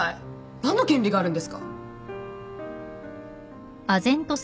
何の権利があるんですか？